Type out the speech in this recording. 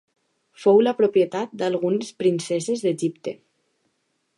Fou la propietat d'algunes princeses d'Egipte.